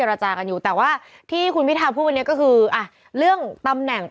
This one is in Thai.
ว่าจะไปหาที่อีก๔๐มันไม่ง่ายน้อง